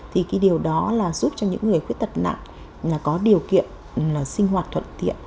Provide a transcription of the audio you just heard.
thì cái điều đó là giúp cho những người khuyết tật nặng có điều kiện sinh hoạt thuận tiện